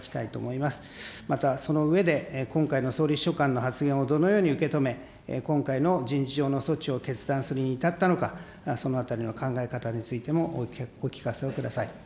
また、その上で、今回の総理秘書官の発言をどのように受け止め、今回の人事上の措置を決断するに至ったのか、そのあたりの考え方についてもお聞かせをください。